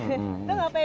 itu ngapain aja pak